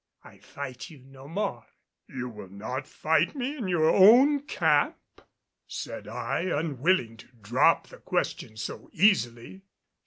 I fight you no more." "You will not fight me in your own camp?" said I, unwilling to drop the question so easily.